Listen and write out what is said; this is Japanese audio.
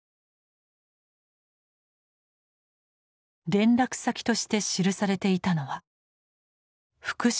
連絡先として記されていたのは福祉事務所。